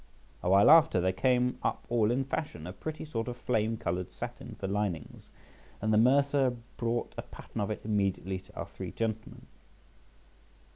A while after, there came up all in fashion a pretty sort of flame coloured satin {77b} for linings, and the mercer brought a pattern of it immediately to our three gentlemen.